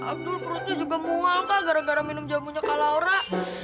aduh perutnya juga mual kak gara gara minum jamunya kak laura